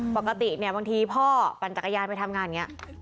ปกติเนี่ยบางทีพ่อปั่นจักรยานไปทำงานอย่างนี้